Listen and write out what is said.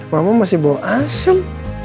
mama masih bawa asam